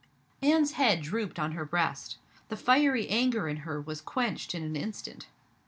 Anne's head drooped on her breast. The fiery anger in her was quenched in an instant.